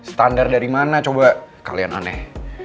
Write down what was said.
standar dari mana coba kalian aneh